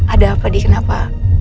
ada apa d kenapa